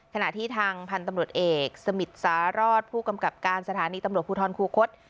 ขณะที่ทางพันธุ์ตำรวจเอกสมิทสารอดผู้กำกับการสถานีตำรวจภูทรคูคศ